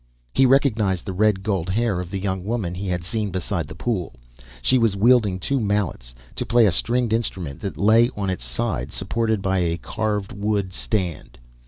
He recognized the red gold hair of the young woman he had seen beside the pool. She was wielding two mallets to play a stringed instrument that lay on its side supported by a carved wood stand.